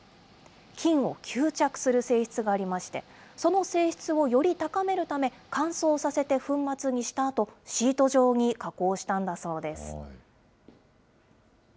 金を吸着する性質がありまして、その性質をより高めるため、乾燥させて粉末にしたあと、シート状に加工したんだそうです。